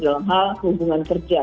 dalam hal hubungan kerja